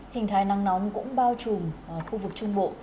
hình thái nắng nóng cũng bao trùm khu vực trung bộ